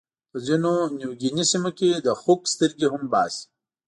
په ځینو نیوګیني سیمو کې د خوک سترګې هم باسي.